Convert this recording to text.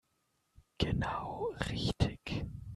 Genau richtig.